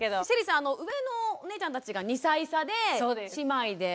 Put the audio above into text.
ＳＨＥＬＬＹさん上のお姉ちゃんたちが２歳差で姉妹で。